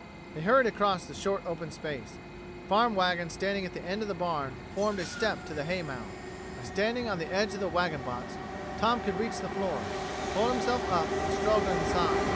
They hurried across the short open space. A farm wagon standing at the end of the barn formed a step to the hay mow. By standing on the edge of the wagon box, Tom could reach the floor. He pulled himself up and struggled inside.